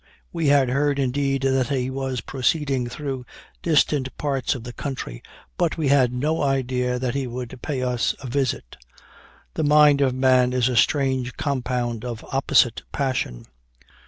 We had heard, indeed, that he was proceeding through distant parts of the country, but we had no idea that he would pay us a visit. The mind of man is a strange compound of opposite passion.